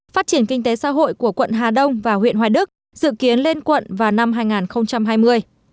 phát triển kinh tế xã hội của quận hà đông và huyện hoài đức dự kiến lên quận vào năm hai nghìn hai mươi